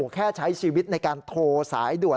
แค่ใช้ชีวิตในการโทรสายด่วน